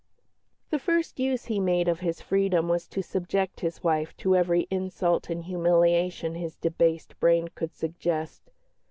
The first use he made of his freedom was to subject his wife to every insult and humiliation his debased brain could suggest.